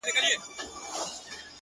• او د نیکه نکلونه نه ختمېدل,